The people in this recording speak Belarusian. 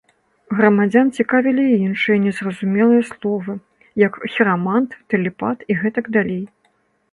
Грамадзян цікавілі і іншыя незразумелыя словы, як хірамант, тэлепат і гэтак далей.